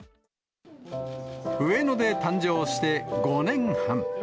上野で誕生して５年半。